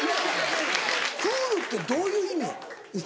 クールってどういう意味？